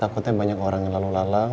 takutnya banyak orang yang lalu lalang